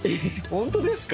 ホントですか！？